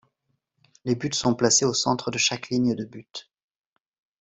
Les buts sont placés au centre de chaque ligne de but.